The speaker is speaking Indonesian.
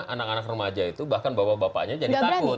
anak anak remaja itu bahkan bapak bapaknya jadi takut